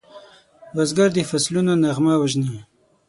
بزګر د فصلونو نغمه پیژني